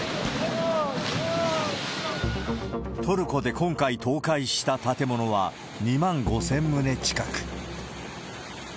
トルコで今回倒壊した建物は２万５０００棟近く。